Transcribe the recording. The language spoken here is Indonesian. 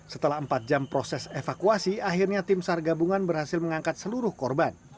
setelah empat jam proses evakuasi akhirnya tim sar gabungan berhasil mengangkat seluruh korban